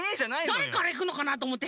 「だれからいくのかな？」とおもって。